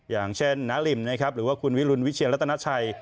อย่างเช่นนาริมนะครับหรือว่าคุณวิรุณวิเชียรัตนาชัย